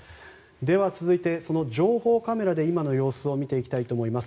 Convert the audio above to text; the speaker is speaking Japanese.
では、続いて情報カメラで今の様子を見ていきたいと思います。